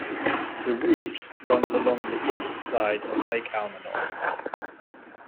The route runs along the eastern side of Lake Almanor.